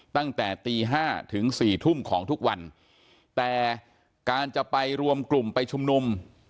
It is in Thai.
ตั้งแต่ตีห้าถึงสี่ทุ่มของทุกวันแต่การจะไปรวมกลุ่มไปชุมนุม